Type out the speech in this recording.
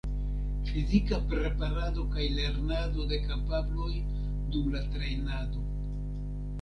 Fizika preparado kaj lernado de kapabloj dum la trejnado.